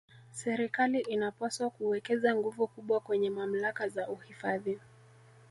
serikali inapaswa kuwekeza nguvu kubwa kwenye mamlaka za uhifadhi